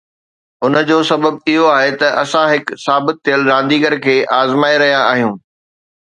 ان جو سبب اهو آهي ته اسان هڪ ثابت ٿيل رانديگر کي آزمائي رهيا آهيون